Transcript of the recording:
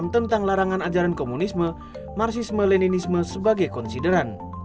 tentang larangan ajaran komunisme marsisme leninisme sebagai konsideran